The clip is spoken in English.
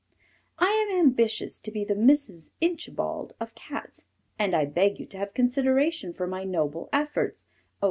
I am ambitious to be the Mrs. Inchbald of Cats and I beg you to have consideration for my noble efforts, O!